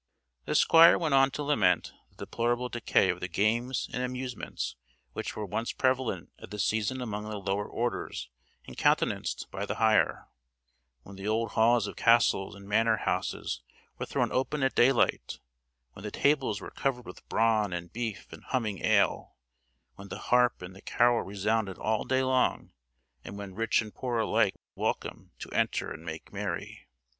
The Squire went on to lament the deplorable decay of the games and amusements which were once prevalent at this season among the lower orders, and countenanced by the higher: when the old halls of castles and manor houses were thrown open at daylight; when the tables were covered with brawn, and beef, and humming ale; when the harp and the carol resounded all day long, and when rich and poor were alike welcome to enter and make merry.